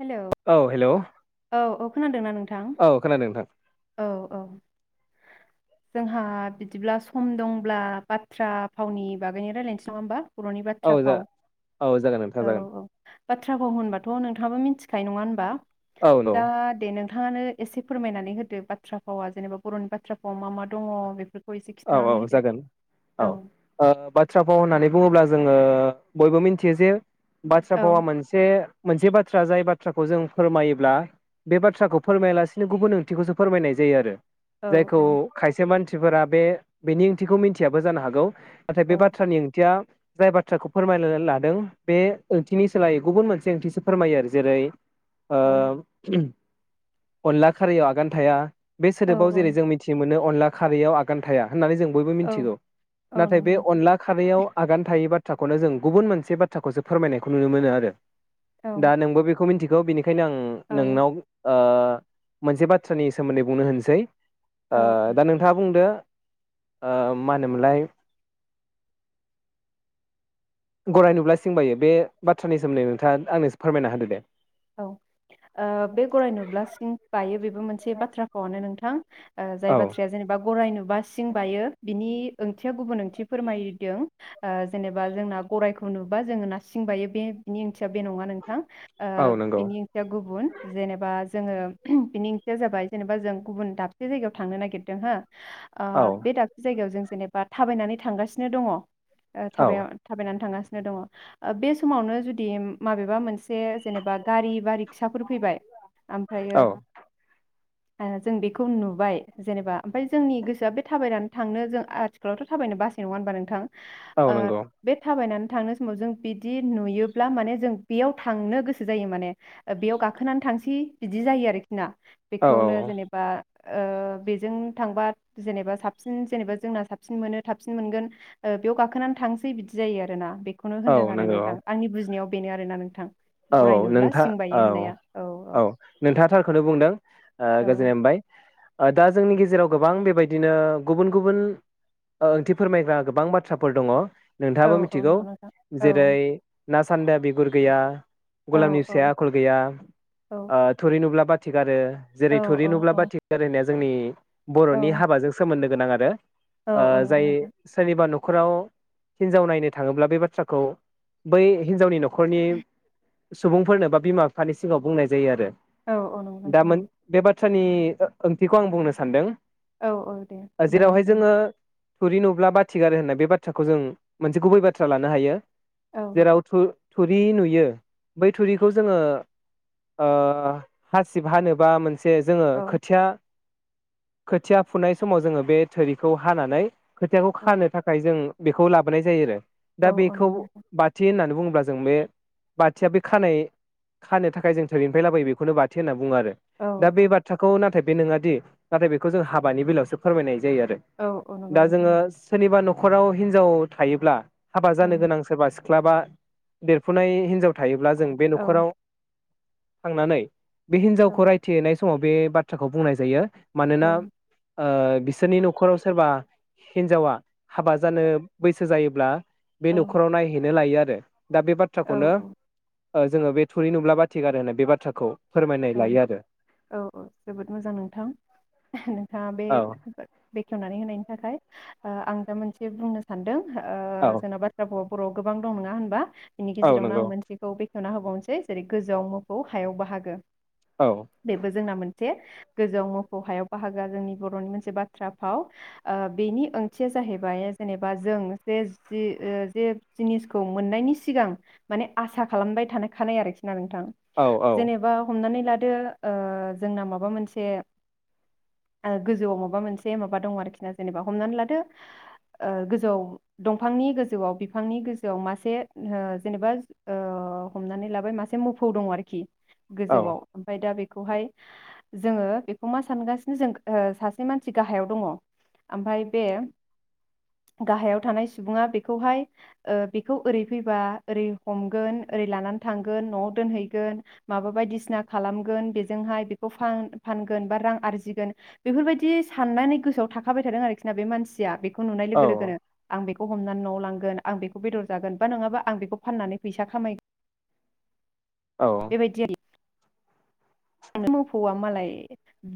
Hello औ hello औ औ खोनादोंना नों औ खोनादों नोंथां। जोंहा बिदिब्ला सम दंब्ला बाथ्रा फावनि बागैनो रायज्लायनोसै नङा होमबा। बर'नि औ बाथ्रा जा फाव औ जागोन नोंथां औ जागोन औ बाथ्रा फाव होनबाथ' नोंथाङाबो मिथि खायो नङा होनबा। औ दा दे नो थाङानो एसे फोरमायनानै होदो बाथ्रा भावा जेनेबा बर'नि बाथ्रा फावा मा मा दङ बेफोरख औ औ जागोन औ ओ बाथ्रा फाव होननानै बुङोब्ला जोङो बयबो मिथियो जे बाथ्रा औ भावा मोनसे मोनसे बाथ्रा जाय बाथ्राखौ जों फोरमायोब्ला बे बाथ्राखौ फोरमायालासिनो गुबुन ओंथिखौसो फोरमायनाय जायो आरो औ जायखौ औ खायसे मानसि फोरा बे बेनि ओंथिखौ मिन्थियाबो जानो हागौ। नाथाय बे औ बाथ्रानि ओंथिया जाय बाथ्राखौ फोरमायनो ला-लादों बे ओंथिनि सोलायै गुबुन मोनसे ओंथिसो फोरमायो आरो जेरै औ ओम अनला खारियाव आगान थाया बे औ सोदोबाव जेरै जों मिथि मोनो अनला खारियाव आ गान थाया होननानै जों बयबो औ मिथिगौ औ नाथाय नंगौ बे नोंथां अनला खारैयाव आगान थायै बाथ्राखौनो जों गुबुन मोनसे बाथ्राखौसो फोरमायनायखौ नुनो मोनो आरो औ दा नोंबो बेखौ मिथिख खौ बिनि ओंखायनो आं औ नोंनाव ओ मोनसे बाथ्रानि सोमोन्दै बुंनो होनसै औ औ दा नोंथाङा बुंदो ओ मा होनोमोनलाय? गराय नुब्ला सिं बायो बे बाथ्रानि सोमोन्दै नोंथाङा आंनोसो फोरमायना होदो दे औ ओ बे गराय नुब्ला सिं बायो बेबो मोनसे से बाथ्राखौनो नोंथां ओ जाय औ बाथ्राया जेनेबा गराइ नुबा सिं बायो बिनि ओंथिया गुबुन ओंथि फोरमायदों आ जेनेबा जोंना गराइखौ नुबा जोङोना सिं बायो बेनि ओंथिया बे नङा नों थां औ ओ नंगौ बिनि ओंथिया गुबुन जेनेबा जोङो बेनि ओंथिया जाबाय जेनेबा जों गुबुन दाबसे जायगायाव थांनो नागिरदों हो औ ओ बे दाबसे जायगायाव जों जेनेबा थाबायनानै थांगासिनो दङ ओ औ थाब थाबायनानै थाङासिनो दङ बे समावनो जुदि माबेबा मोनसे जेनेबा गारि बारि फिसाफोर फैबाय आमफ्रायो औ आरो जों बेखौ नुबाय जेनेबा ओमफ्राय जोंनि गोसोआ बे थाबायनानै थांनो जों आथिखालावथ थाबायनो बासाय नङा होनबा नोंथां? ओ औ नंगौ बे थाबायनानै थांनाय समाव जों बिदि नुयोब्ला माने जों बेयाव थांनो गोसो जायो माने बेयाव गाखोनानै थांसै बिदि जायो आरोखि ना औ बेखौनो औ जेनेबा ओ बेजों थांबा जेनेबा साबसिन जेनेबा जोंना साबसिन मोनो थाबसिन मोनगोन ओ बेयाव गाखोनानै थांसै बिदि जायो आरोना खौनो औ होनदों आरो नंगौ नोंथां आंनि बुजिनायाव बेनो आरोना नोंथां औ औ गराय नुब्ला नोंथाङ सिं बायो औ होननाया औ नोंथाङा थारखौनो बुंदों औ गोजोननाय मोनबाय दा जोंनि गेजेराव गोबां बेबायदिनो गुबुन गुबुन ओंथि फोरमायग्रा गोबां बाथ्राफोर दङ औ नोंथाङाबो औ मिथिगौ नंगौ नोंथां औ जेरै ना सान्दाया बिगुर गैया औ गलामनि औ फिसाया आखल गैया थुरि नुब्ला बाथ थि गारो औ जेरै थुरि नुब्ला औ बाथिगारो होननाया जोंनि बर'नि हाबाजों सोमोन्दो गोनां आरो औ ओ औ नंगौ जाय नोंथां सोरनिबा नख न'खराव हिनजाव नायनो थाङोब्ला बे बाथ्राखौ बै हिनजावनि न'ख न'खरनि सुबुंफोरनो बा बिमा बिफानि सिगाङाव बुंनाय जायो आरो औ औ नंगौ दा नोंथां मोन औ बे बाथ्रानि ओंथिखौ आं बुंनो सानदों औ औ दे फोरमायना जेरावहाय होगोन जोङो थुरि नुब्ला बाथिगारो होननाय बे बाथ्राखौ जों मोनसे गुबै बाथ्रा लानो हायो औ जेराव थु थुरि नुयो बै थुरिखौ जोङो ओ हासिब हानोबा मोनस से जोङो औ खोथिया खोथिया फुनाय समाव जोङो बे थोरिखौ हानानै खोथियाखौ औ खानो थाखाय जों बेखौ लाबोनाय जायो आरो औ दा औ बेखौ नंगौ नोंथां बाथि होननानै बुङ अब्ला जों बे बाथिया बे खानाय खानो थाखाय जों थोरैनिफ्राय लाबोयो बेखौनो बाथि होनना बु बुङो आरो औ दा औ बे बाथ्राखौ नाथाय बे नङाादि नाथाय बेखौ जों हाबानि बेलायावसो फोरमायनाय जायोआरो औ औ नंगौ दा नोंथां जोङो सोरनिबा नख न'खराव हिनजाव थायोब्ला हाबा औ जानो गोनां सोरबा सि क्लाबा देरफुनाय हिनजाव थायोब्ला जों बे औ न'खराव थांनानै बे औ हिनजावखौ रायथि हैैनाय समाव बे बाथ्राखौ बुंनाय जायो। औ मानोना ओ बिसोरनि न'खराव सोरबा हिनजावा हाबा जानो बैसो जायोब्ला बे औ न'खराव नायहैनो लायो आरो रो दा बे बाथ्राखौनो औ ओ जोङो बे थुरि नुब्ला बाथिगारो होनो बे बाथ्राखौ फोरमायनाय औ लायो आरो औ औ जोबोद मोजां नोंथां नों थाङा बे [unintelligible] बेखेवनानै होनायनि थाखाय ओ आं दा मोनसे बुंनो सान्दों। ओ औ जेन'बाथ्रा [unintelligible] बर'आव गोबां दं नोङा होनबा? बिनि औ गेजेरावनो नंगौ आं मोनसेखौ बे होना होबावनोसै जेरै गोजौआव मोफौ हायाव बाहागो। औ बेबो जोंना मोन जे गोजौआव मोफौ हायाव बाहागोआ जोंनि बर'नि मोनसे बाथ्रा फाव ओ बेनि ओंथिया जाहैबाय जेनेबा जों जे जि ओ जे जिनिसखौ मोननायनि सिगां माने आसा खालामबाय थानाय खानाय आरोखि ना नोंथां औ औ जेनेबा हमनानै लादो ओ जोंना माबा मोनसे ओ गोजौआव माबा मोनसे माबा दङ आरोखि ना जेनेबा हमनानै लादो ओ गोजौआव दंफांनि गोजौआव बिफांनि गोजौआव मासे हो जेनेबा ओ हमनानै लाबाय मासे मोफौ दङ आरोखि औ गोजौआव ओमफाय दा बे खौहाय जोङो बेखौ मा सानगासिनो जों ओ सासे मानसि गाहायाव दङ आमफाय बे गाहायाव थानाय सुबुङा बेखौहाय ओ बेखौ ओरै फैबा ओरै हमगोन ओरै लानानै थांगोन न'आव दोनहैगोन माबा बायदिसिना खालामगोन बेजोंहाय बेखौ फान फानगोन बा रां आरजिगोन बेफोरबायदि साननानै गोसोआव थाखाबाय थादों आरोखि ना बे मानसिया बे खो नुनाय लोगो लोगोनो आं बेख हमनानै न'आव लांगोन आं बेखौ बेदर जागोन बा नङा आं बेखौ फाननानै फैसा खामाय औ बेबाय [unintelligible] मोफौआ मालाय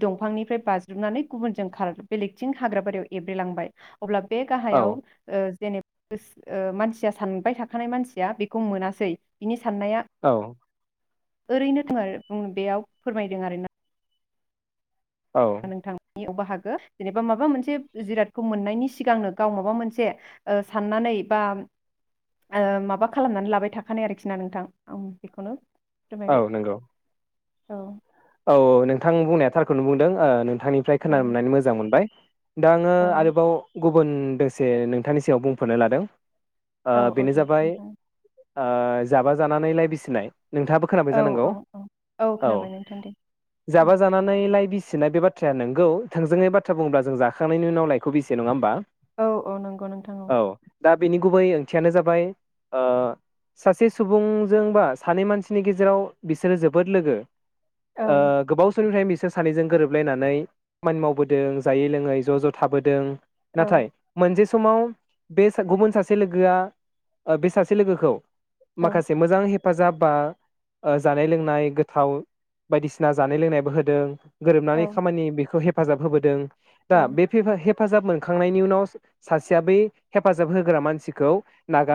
दंफांनिफ्राय बाज्रुमनानै गुबुनजों खार बेलेगथिं हाग्रा बारियाव एब्रेलांबाय। अब्ला बे औ गाहायाव ओ जेनेब गोस ओ मानसिया सानबाय थाखानाय मानसिया बेखौ मोनासै बिनि साननाया औ ओरैनो था आरो बुं बेयाव फोरमायदों आरोना। औ नोंथांनि अबा हागो जेनेबा माबा मोनसे जिरादखौ मोननायनि सिगांनो गाव माबा मोनसे ओ साननानै बा ओ माबा खालामनानै लाबाय थाखानाय आरोखि ना नोंथां उम बेखौनो औ फोरमायबाय नंगौ। औ औ नोंथां बुंनाया थारखौनो बुंदों ओ नों थांनिफ्राय औ खोनानो मोननानै मोजां मोनबाय। दा आङो औ आरोबाव गुब बुन दोंसे नोंथांनि सिगायाव बुंफोरनो लादों। ओ औ औ बेनो दे जाबाय। नोंथां ओ जाबा जानानै लाय बिसिनाय। नोंथाङाबो खोनाबाय औ जानांगौ औ औ औ। खोनाबाय नोंथां दे उम जाबा जानानै लाय बिसि। सिनाय बे बाथ्राया नोंगौ थोंजोङै बाथ्रा बुङोब्ला जों जाखांनायनि उनाव लाइखौ बेसियो नङा होमबा। औ औ नंगौ नोंथां औ। बिनि गुबै ओंथियानो जाबाय ओ सासे सुबुंजों बा सानै मानसिनि गेजेराव बिसोरो जोबोद लोगो। औ ओ गोबाव समनिफ्रायनो बिस सोर सानैजों गोरोबलायनानै खामानि मावबोदों जायै लोङै ज' ज' थाबोदों। औ नाथाय मोनसे। समाव बे गुबुन सासे लोगोआ बे सासे लोगोखौ। औ माखासे मोजां हेब फाजाब बा जानाय लोंनाय गोथाव। बायदिसिना जानाय लोंनायबो होदों। औ गोरोबनानै खामानि बेखौ हे फाजाब होबोदों। दा बे फेफी हेफ फाजाब मोनखांनायनि उनाव सासेया बै हेफाजाब होग्रा मानसिखौ।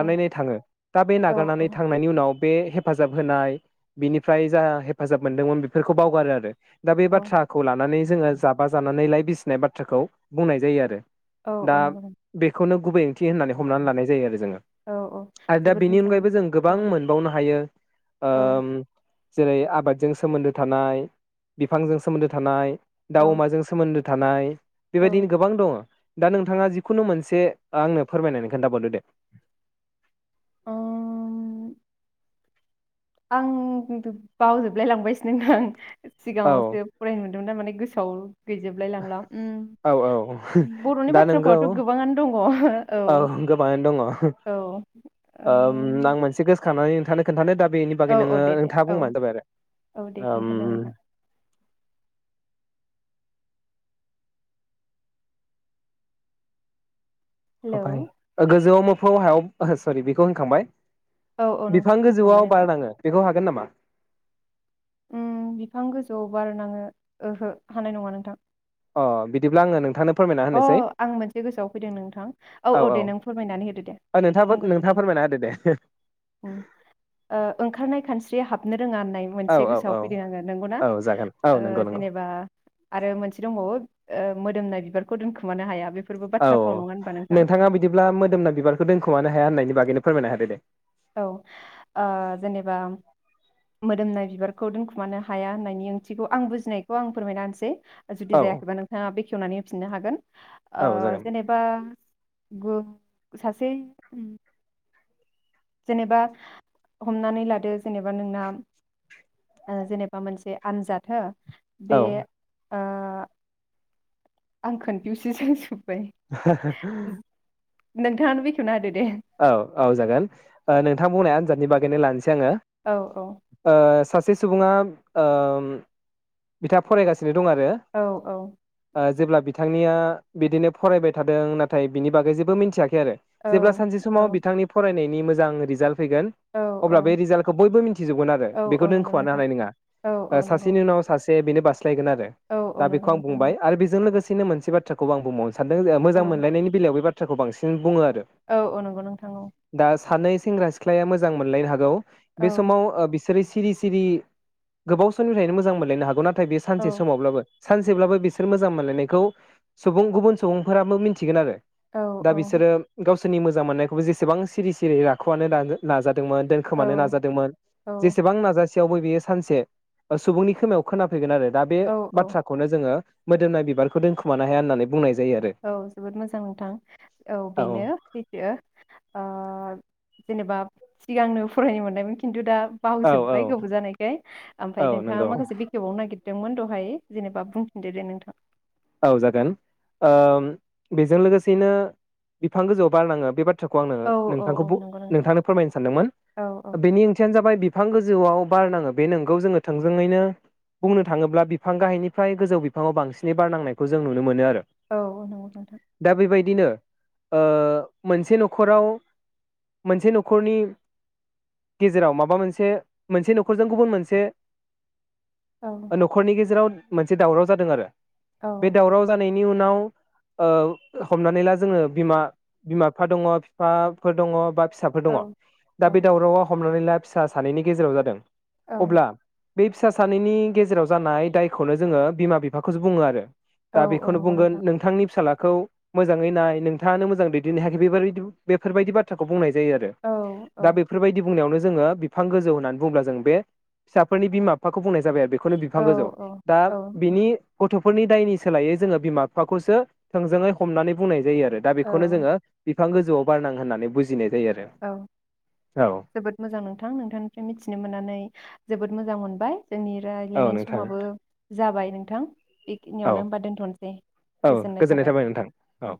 औ थाङो दा बे औ नागारनानै थांनायनि उनाव। बे हेफाजाब होनाय बिनिफ्राय जा हेफाजाब। मोनदोंमोन बेफोरखौ बावगारो आरो। दा बे औ बाथ्राखौ लानानै। जोङो जाबा जानानै लाय बिसिनाय बाथ्राखौ बुंनाय जायो आरो। औ दा औ नंगौ नोंथां बेखौनो। गुबै ओंथि होननानै हमनानै लानाय जायो आरो जोङो। औ औ आरो दा जोबोद बेनि मोजां अनगायैबो जों गोबां औ मोनबावनो हायो। औ जेरै आबादजों। सोमोन्दो थानाय, बिफांजों सोमोन्दो थानाय। औ दाउ अमाजों सोमोन्दो। थानाय। औ बेबायदिनो गोबां दङो दा नोंथाङा जिखुनु मोनसे आंनो फोरमायनानै खोन्थाबावदो दे। अ आं [unintelligible] बावजोबलाय लांबायसो नोंथां। औ सिगाङावसो फरायनो मोन दोंमोन दा माने गोसोआव गैजोबलाय लांला उम औ औ बर'नि दा नोंगौ बाथ्राफावाथ' गोबाङानो दङ' औ औ गोबाङानो दङ औ ओम [unintelligible] खोनथानो बेनि बागै औ औ नोङो दे दे नोंथाङा औ बुंबानो जाबाय औ दे आरो ओम खोन्थादो नोंथां हेलौ [unintelligible] गोजौआव मो फौ हायाव सरि बेखौ होनखांबाय औ औ नों बिफां होनखांबाय गोजौआव नोंथां बारनाङो बेखौ गोन नामा? उम बिफां गोजौआव बारनाङो ओहो हानाय नङा नोंथां। अ बिदिब्ला आङो नोंथांनो फोरमायना अ होनोसै आं मोनसे गोसोआव फैदों नोंथां। औ औ दे नों फोरमायनानै होदो दे ओ नोंथाङाबो बुंग्रोदो नोंथाङा दे फोरमायना होदो दे उम ओंखारनाय खानस्रिया हाब नो रोङा होननाय औ मोनसे औ गोसोआव औ फैदों आङो नंगौना? औ जागोन औ ओ नंगौ नंगौ जेनेबा आरो मोनसे दंबावो ओ मोदोमनाय बिबार खौ दोनखुमानो हाया बे औ नोंथाङा बिदिब्ला मोदोमना बिबारखौ दोनखुमानो हाया होननायनि बागैनो फोरमायनो होदो दे। औ ओ जेनेबा मोदोमनाय बिबारखौ दोनखुमानो हाया होननायनि ओंथिखौ आं बुजिनायखौ आं फोरमायना होनोसै। जुदि औ जायाखैबा नोंथाङा बे खेवनानै होफिननो हागोन ओ औ जागोन जेनेबा [unintelligible] सासे उम जेनेबा हमनानै लादो जेनेबा नोंना ओ जेनेबा मोनसे आनजाद हो औ बे ओ आं कनफिउसो जाजोब [unintelligible] नोंथाङानो बेखवना होदो दे। औ औ जागोन ओ नोंथां बुंनाय आनजादनि बागैनो लानोसै। जोङो औ ओ सा सासे सुबुङा ओ बिथाङा फरायगासि दं आरो औ औ ओ जेब्ला बिथांनिया बिदिनो फरायबाय थादों नाथाय बिनि बागै जेबो मिनथियाखै आरो औ जेब्लासि जे औ समाव बिथांनि फराय नायनि मोजां रिजाल्ट फैगोन औ अब्ला औ बे रिजाल्टखौ बयबो मिनथिजोबगोन आरो औ बेखौ औ नंगौ दोनखुमानो नोंथां हानाय नङा औ ओ औ नंगौ सासेनि उनाव सासे ए बेनो बास। थ्रायगोन आरो औ औ दा नंगौ बेखौ आं नोंथां बुंबाय आरो बेजों लोगोसे मोनसे बाथ्राखौ आं बुंबाव सानदों जे औ मोजां मोनलायनायनि बेलायाव बे बाथ बाथ्राखौ बांसिन बुङो आरो औ नंगौ नोंथां औ। दा सानै सेंग्रा-सिख्लाया मोजां मोनलायनो हागौ। औ बे समाव ओ बि सोरो सिरि सिरि गोबाव समनिफ्रायनो मोजां मोनलायनो हागौ ना नाथाय बे औ सानसे समावब्लाबो सानसेब्लाबो बिसोर मोजां मोनलायनायखौ सुबुं गुबुन सुबुंफोराबो मिनथिगोन आरो। औ दा औ बिसोरो गाव सोनि मो मोजां मोननायखौबो जेसेबां सिरि सिरि राख'मानो नांदो नाजादो मोन औ दोनखोमानो नादोंमोन जेसेबां नाजा थेवबो बियो सानसे ओ सुबुंनि खोमायाव खोना फैगोन आरो दा बे औ बाथ्राखौनो जोङो मोदोमनाय बिबारखौ दोनखुमानो हाया होननानै बुंनाय जा औ जोबोद मोजां नोंथां औ आरो बेनो औ फैदो। ओ जेनेबा सिगांनो फरायनो मोनदोंमोन खिन्थु दा औ औ बावजोबबाय गोबाव जानायखाय औ ओमफ्राय नोंथाङा नंगौ माखासे बेखेवबावनो नागिर दोंमोन दहाय जेनेबा बुंफिनदो दे नोंथां। औ जागोन ओ बेजों लोगोसेनो बिफां गोजौआव बारनाङो बेबादि [unintelligible] आंङो औ औ नोंथांखौ बु औ नंगौ नोंथां नोंथांनो फोरमायनो सानदोंमोन औ औ बेनि ओंथियानो जाबाय बि बिफां गोजौआव बार नाङो बे नोंगौ जोङो थोंजोङैनो बुंनो थाङोब्ला बिफां गाहायनिफ्राय गोजौ बिफाङाव बांसिनै बारनांनायखौ जों नुनो मोनो आरो औ नंगौ नोंथां बिदिनो मोनसे नखराव मोनसे नखरनि गेजेराव माबा मोनसे मोनसे नखरजों गुबुन मोनसे औ नखरनि गेजेराव मोनसे दावराव जादों आरो औ बे दावराव जानायनि नि उनाव हमनानै ला जोङो बिमा बिमा बिफा दङ बिफाफोर दङ बा फिसाफोर दङ दा औ बे दावरावा हम हनानै ला फिसा सानैनि गेजेराव जादों औ अब्ला बे फिसा सानैनि गेजेराव जानाय दायखौनो जोङो बिमा बिफाखौसो बुङो आरो औ दा औ बेखौनो नंगौ बुंगोन नोंथां नोंथांनि फिसाला खौ मोजाङै नाय नोंथाङानो मोजां दैदेननो हायाखै बे बेफोरबायदि बाथ्राखौ बुंनाय जायो आरो औ दा बेफोरबायदि बुंनायावनो जों जोङो बिफां गोजौ होननानै बुंब्ला जों बे फिसाफोरनि बिमा बिफाखौ बुंनाय जाबाय बे खौनो औ बिफां गोजौ दा औ बिनि गथ दायनि सोलायै जोङो बिमा बिफाखौसो थोंजोङै हमनानै बुंनाय जायो आरो दा बेखौनो औ जोङो बिफां गोौआव बारनां होननानै बुजिनाय जायो आरो औ औ जोबोद मोजां नोंथां नोंथांनिफ्राय मिथिनो मोननानै जोबोद मोजां मोनदों बाय जोंनि औ रायज्लायनायनि नोंथां समाबो जाबाय नोंथां औ बेखिनियावनो होमबा दोन्थनोसै गोजोननाय थाबाय औ